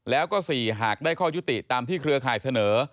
แล้วก็๔หากได้ข้อยุติตามที่เครือข่ายเสนอ